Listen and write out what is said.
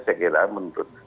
saya kira menurut